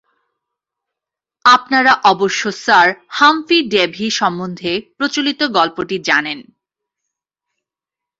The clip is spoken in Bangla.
আপনারা অবশ্য স্যার হাম্ফি ডেভি সম্বন্ধে প্রচলিত গল্পটি জানেন।